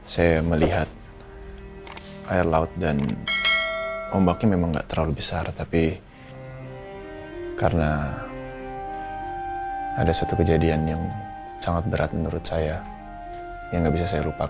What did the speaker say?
saya melihat air laut dan ombaknya memang nggak terlalu besar tapi karena ada satu kejadian yang sangat berat menurut saya yang nggak bisa saya lupakan